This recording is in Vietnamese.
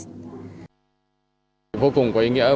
vô cùng có ý nghĩa với chuyến bay thẳng không rừng